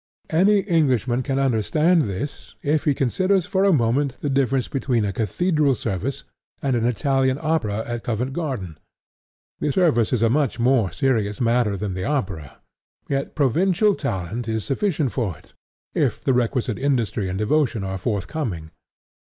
Any Englishman can understand this if he considers for a moment the difference between a Cathedral service and an Italian opera at Covent Garden. The service is a much more serious matter than the opera. Yet provincial talent is sufficient for it, if the requisite industry and devotion are forthcoming.